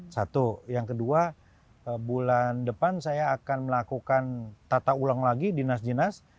satu yang kedua bulan depan saya akan melakukan tata ulang lagi dinas dinas